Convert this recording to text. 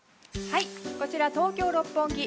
こちら、東京・六本木。